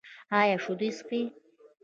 ایا شیدې څښئ؟